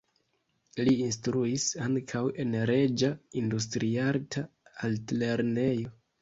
Li instruis ankaŭ en Reĝa Industriarta Altlernejo.